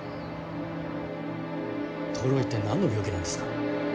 透は一体何の病気なんですか？